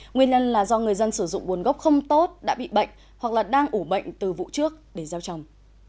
nguyên nhân là do người dân sử dụng buồn gốc không tốt đã bị bệnh hoặc là đang ủ bệnh từ vụ trước để gieo trồng